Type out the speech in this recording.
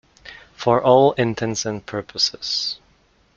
For all intents and purposes.